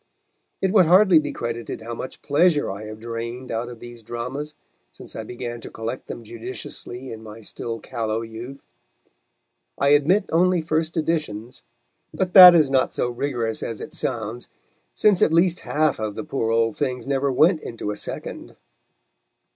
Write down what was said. It would hardly be credited how much pleasure I have drained out of these dramas since I began to collect them judiciously in my still callow youth. I admit only first editions; but that is not so rigorous as it sounds, since at least half of the poor old things never went into a second.